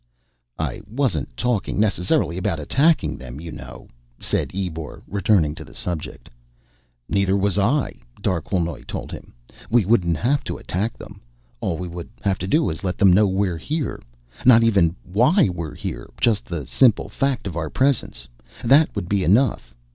"I wasn't talking necessarily about attacking them, you know," said Ebor, returning to the subject. "Neither was I," Darquelnoy told him. "We wouldn't have to attack them. All we would have to do is let them know we're here. Not even why we're here, just the simple fact of our presence. That would be enough.